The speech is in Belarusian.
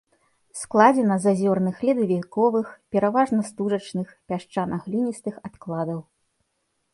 Складзена з азёрных ледавіковых, пераважна стужачных, пясчана-гліністых адкладаў.